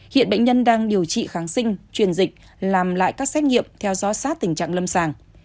hiện bệnh nhân đang điều trị kháng sinh truyền dịch làm lại các xét nghiệm theo dõi sát tình trạng lâm sàng